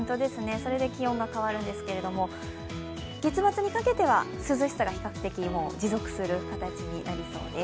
それで気温が変わるんですけど月末にかけては涼しさが比較的持続する形になりそうです。